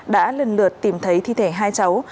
đã lần lượt tìm thấy thi thể hai cháu